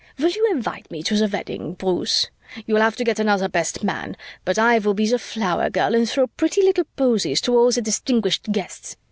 "Will you invite me to the wedding, Bruce? You'll have to get another best man, but I will be the flower girl and throw pretty little posies to all the distinguished guests.